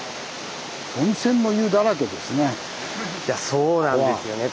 そうなんですよね